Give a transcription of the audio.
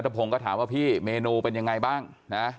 พงศ์ก็ถามว่าพี่เมนูเป็นยังไงบ้างนะ